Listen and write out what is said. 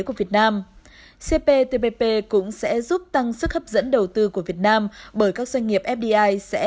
của việt nam cptpp cũng sẽ giúp tăng sức hấp dẫn đầu tư của việt nam bởi các doanh nghiệp fdi sẽ